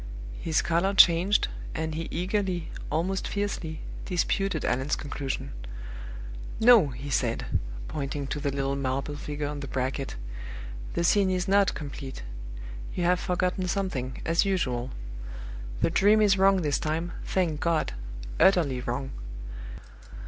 His color changed, and he eagerly, almost fiercely, disputed Allan's conclusion. "No!" he said, pointing to the little marble figure on the bracket, "the scene is not complete you have forgotten something, as usual. The Dream is wrong this time, thank God utterly wrong!